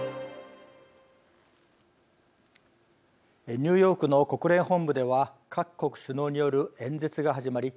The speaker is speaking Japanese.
ニューヨークの国連本部では各国首脳による演説が始まり